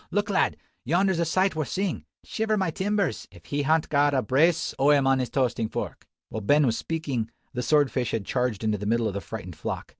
"Look, lad! yonder's a sight worth seein'. Shiver my timbers, if he han't got a brace o' 'em on his toastin' fork!" While Ben was speaking, the sword fish had charged into the middle of the frightened flock.